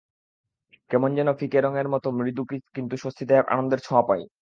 কেমন যেন ফিকে রঙের মতো মৃদু কিন্তু স্বস্তিদায়ক আনন্দের ছোঁয়া পাই।